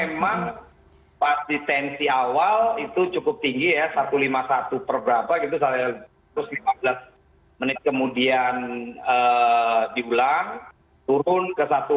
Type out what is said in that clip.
memang pas di tensi awal itu cukup tinggi ya satu ratus lima puluh satu per berapa gitu saya terus lima belas menit kemudian diulang turun ke satu